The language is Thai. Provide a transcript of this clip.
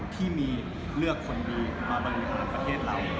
ที่มีเลือกคนดีมาบริหารประเทศเรา